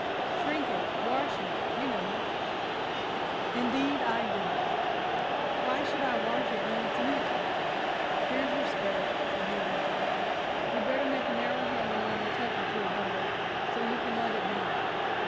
"Shrink it. Wash it, you know." "Indeed I didn't. Why should I wash it when it's new?" "Here's your skirt," said Mrs. Franklin. "You'd better make a narrow hem and run a tuck or two above it so you can let it down.